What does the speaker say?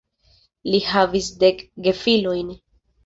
Li havis dek gefilojn.